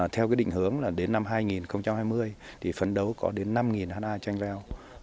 theo định hướng đến năm hai nghìn hai mươi phấn đấu có đến năm ha chanh leo